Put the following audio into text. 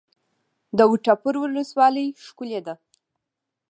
د وټه پور ولسوالۍ ښکلې ده